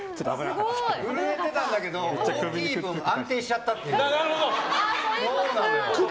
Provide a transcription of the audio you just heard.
震えてたんだけど大きい分安定しちゃったっていう。